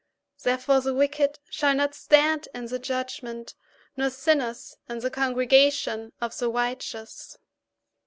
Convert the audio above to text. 5Therefore the wicked shall not stand in the judgment, nor sinners in the congregation of the righteous.